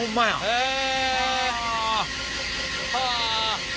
へえ！